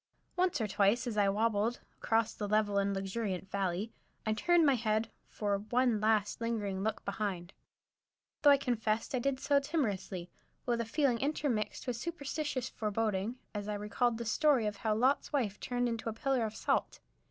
Once or twice, as I wabbled across the level and luxuriant valley, I turned my head for "one last, lingering look behind," though I confess I did so timorously, with a feeling intermixed with superstitious foreboding, as I recalled the story of how Lot's wife turned into a pillar of salt.